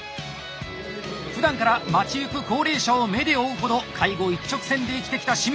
ふだんから街ゆく高齢者を目で追うほど介護一直線で生きてきた清水。